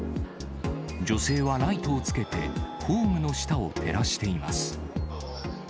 女性はライトをつけて、ホームの下を照らしています。